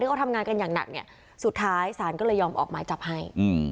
แล้วเขาทำงานกันอย่างหนักสุดท้ายสารก็เลยยอมออกมาจับให้